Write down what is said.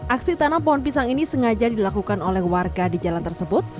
aksi tanam pohon pisang ini sengaja dilakukan oleh warga di jalan tersebut